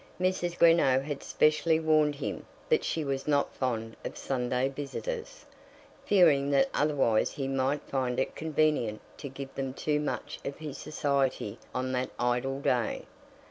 Mrs. Greenow had specially warned him that she was not fond of Sunday visitors, fearing that otherwise he might find it convenient to give them too much of his society on that idle day.